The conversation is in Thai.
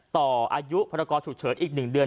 ต่ออายุพรกรฉุกเฉินอีก๑เดือน